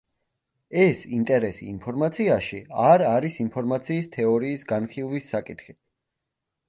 ეს ინტერესი ინფორმაციაში არ არის ინფორმაციის თეორიის განხილვის საკითხი.